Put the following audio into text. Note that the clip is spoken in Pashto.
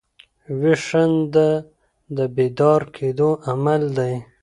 ویښېدنه د بیدار کېدو عمل دئ.